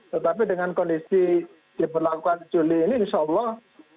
tetapi dengan kondisi diberlakukan juli ini insya allah